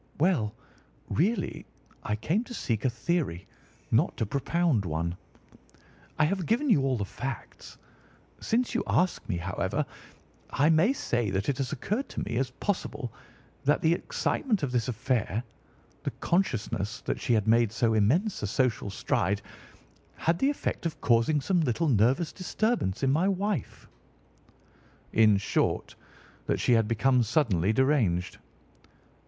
"Well, really, I came to seek a theory, not to propound one. I have given you all the facts. Since you ask me, however, I may say that it has occurred to me as possible that the excitement of this affair, the consciousness that she had made so immense a social stride, had the effect of causing some little nervous disturbance in my wife." "In short, that she had become suddenly deranged?"